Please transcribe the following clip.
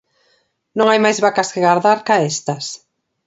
Non hai máis vacas que gardar ca estas.